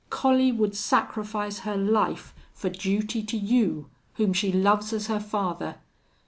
Collie would sacrifice her life for duty to you whom she loves as her father.